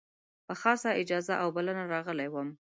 په خاصه اجازه او بلنه راغلی وم.